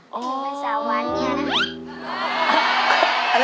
ให้หนูเป็นสาวหวานเนี่ยนะ